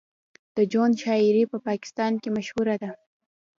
د جون شاعري په پاکستان کې مشهوره شوه